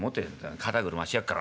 肩車してやっから。